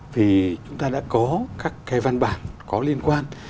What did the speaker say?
thì chúng ta đã có các cái văn bản có liên quan